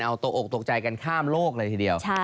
เอาตกอกตกใจกันข้ามโลกเลยทีเดียว